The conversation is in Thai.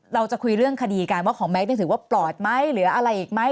เราจะคุยเรื่องคดีกันว่าของแก๊กถือว่าปลอดไหมเหลืออะไรอีกไหม